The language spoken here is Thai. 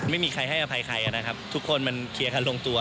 ไม่มีใครให้อภัยใครนะครับทุกคนมันเคลียร์กันลงตัว